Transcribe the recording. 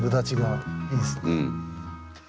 うん。